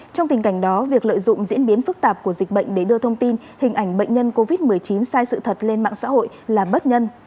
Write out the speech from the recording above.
trong tình cảnh đó việc lợi dụng diễn biến phức tạp của dịch bệnh để đưa thông tin hình ảnh bệnh nhân covid một mươi chín sai sự thật lên mạng xã hội là bất nhân